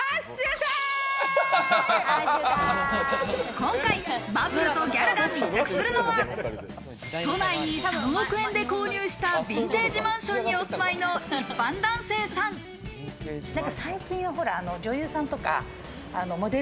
今回、バブルとギャルが密着するのは、都内に３億円で購入したヴィンテージマンションにお住まいの一般男性さん。